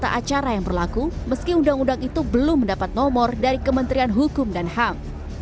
ada acara yang berlaku meski undang undang itu belum mendapat nomor dari kementerian hukum dan ham